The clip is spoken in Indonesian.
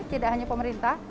tidak hanya pemerintah